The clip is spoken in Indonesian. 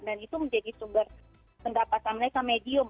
dan itu menjadi sumber pendapatan mereka medium